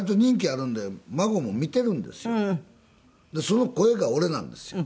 その声が俺なんですよ。